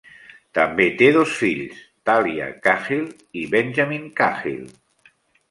També té dos fills, Tahlia Cahill i Benjamin Cahill.